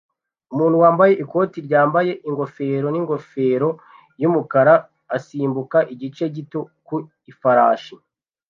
Umuntu wambaye ikoti ryambaye ingofero n'ingofero y'umukara asimbuka igice gito ku ifarashi